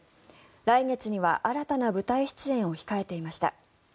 来月には新たな舞台出演を控えていました。